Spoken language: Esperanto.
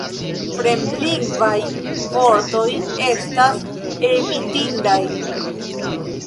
Fremdlingvaj vortoj estas evitindaj.